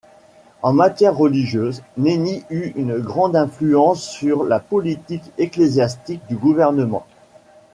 En matière religieuse, Neny eut une grande influence sur la politique ecclésiastique du gouvernement.